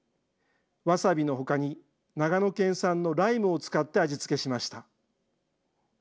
ワサビのほかに、長野県産のライムを使って味付けしました。